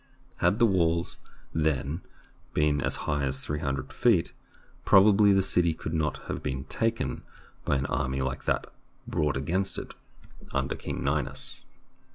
Had the walls then been as high as three hundred feet, probably the city could not have been taken by an army like that THE BOOK OF FAMOUS SIEGES brought against it under King Ninus.